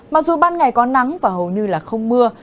mặc dù ban ngày có nắng và hầu như là không mưa